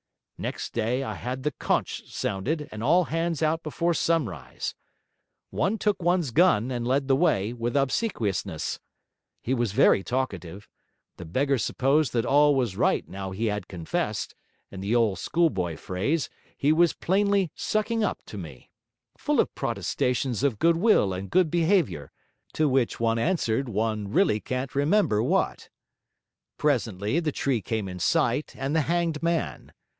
Next day, I had the conch sounded and all hands out before sunrise. One took one's gun, and led the way, with Obsequiousness. He was very talkative; the beggar supposed that all was right now he had confessed; in the old schoolboy phrase, he was plainly 'sucking up' to me; full of protestations of goodwill and good behaviour; to which one answered one really can't remember what. Presently the tree came in sight, and the hanged man.